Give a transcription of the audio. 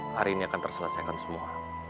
hari ini akan terselesaikan semua